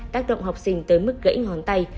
tác động học sinh tới mức gãy ngón tay